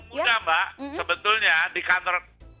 tapi paling mudah mbak sebetulnya di kantor